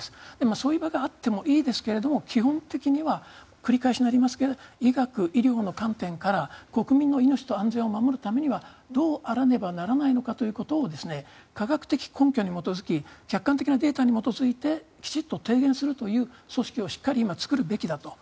そういう場があってもいいですけれども、基本的には繰り返しになりますけど医療、医学の観点から国民の命と安全を守るためにはどうあらねばならないのかということを科学的根拠に基づき客観的なデータに基づいてきちんと提言するという組織をしっかり今作るべきだと。